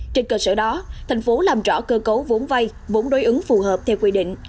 trên cơ sở đó tp làm rõ cơ cấu vốn vây vốn đối ứng phù hợp theo quy định